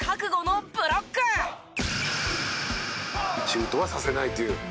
「シュートはさせないという」